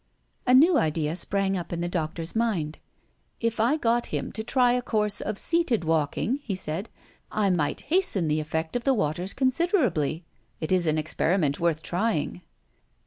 A new idea sprang up in the doctor's mind: "If I got him to try a course of seated walking," he said, "I might hasten the effect of the waters considerably. It is an experiment worth trying."